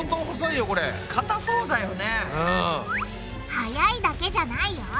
早いだけじゃないよ。